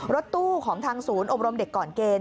รถตู้ของทางศูนย์อบรมเด็กก่อนเกณฑ์